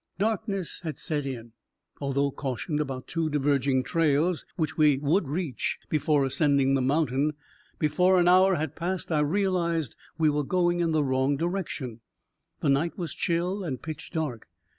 Darkness had set in. Although cautioned about two diverging trails which we would reach before ascending the mountain, before an hour had passed I realized we were going in the wrong direction. The night was chill and pitch dark.